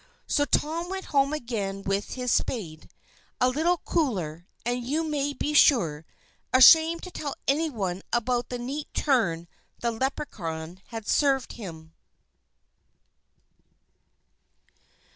So Tom went home again with his spade, a little cooler, and, you may be sure, ashamed to tell any one about the neat turn the Leprechaun had served him.